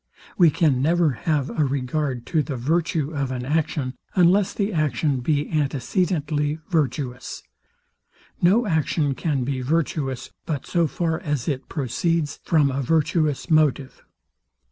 We can never have a regard to the virtue of an action, unless the action be antecedently virtuous. No action can be virtuous, but so far as it proceeds from a virtuous motive.